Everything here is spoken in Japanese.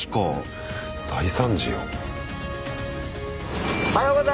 大惨事よ。